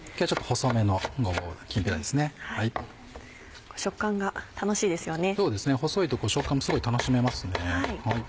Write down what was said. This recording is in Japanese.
細いと食感もすごい楽しめますね。